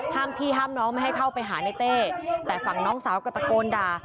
พี่ห้ามน้องไม่ให้เข้าไปหาในเต้แต่ฝั่งน้องสาวก็ตะโกนด่า